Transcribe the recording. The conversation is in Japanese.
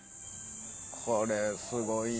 これすごいな。